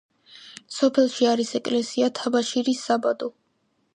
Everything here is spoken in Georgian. სოფელში არის ეკლესია, თაბაშირის საბადო.